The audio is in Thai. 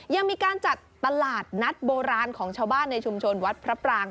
ยังมีการจัดตลาดนัดโบราณของชาวบ้านในชุมชนวัดพระปราง